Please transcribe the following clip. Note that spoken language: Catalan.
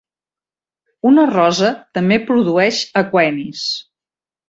Una rosa també produeix aquenis.